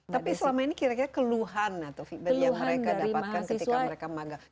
tapi selama ini kira kira keluhan atau feedback yang mereka dapatkan ketika mereka magang